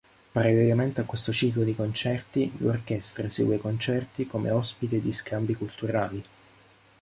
Parallelamente a questo ciclo di concerti l'orchestra esegue concerti come ospite di scambi culturali.